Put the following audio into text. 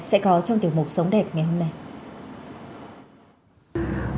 sẽ có trong tiểu mục sống đẹp ngày hôm nay